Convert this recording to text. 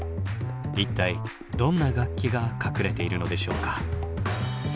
一体どんな楽器が隠れているのでしょうか。